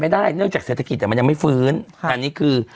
ไม่ได้เนื่องจากเศรษฐกิจเนี่ยมันยังไม่ฟื้นค่ะอันนี้คือ